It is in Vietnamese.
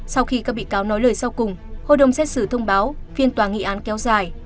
sau khi các bị cáo nói lời sau cùng hội đồng xét xử thông báo phiên tòa nghị án kéo dài